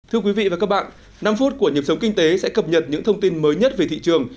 thưa quý vị và các bạn năm phút của nhịp sống kinh tế sẽ cập nhật những thông tin mới nhất về thị trường